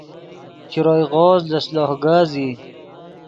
شروئے غوز لس لوہ کز ای